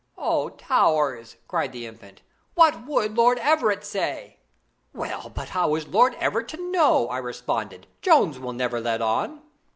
'Oh, Towers!' cried the Infant, 'what would Lord Everett say?' 'Well, but how is Lord Everett to know?' I responded. 'Jones will never let on.'